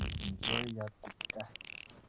amitwagikab kipgaa